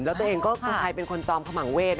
แล้วตัวเองก็ใครเป็นคนจอมขมังเวท